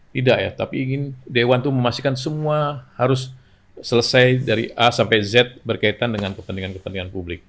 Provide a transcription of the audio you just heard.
tidak ya tapi ingin dewan itu memastikan semua harus selesai dari a sampai z berkaitan dengan kepentingan kepentingan publik